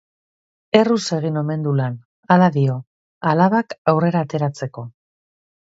Erruz egin omen du lan, hala dio, alabak aurrera ateratzeko.